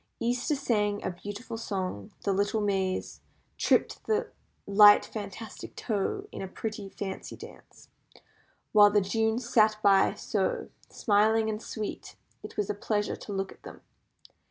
Easter sang a beautiful song, the little Mays, "tripped the light fantastic toe" in a pretty fancy dance, while the Junes sat by so smiling and sweet it was a pleasure to look at them.